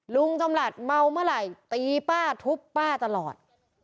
ลุงจำหลัดเมาเมื่อไหร่ตีป้าทุบป้าตลอด